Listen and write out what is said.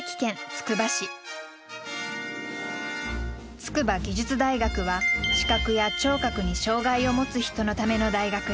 筑波技術大学は視覚や聴覚に障害を持つ人のための大学です。